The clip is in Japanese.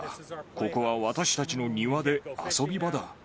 ここは私たちの庭で遊び場だ。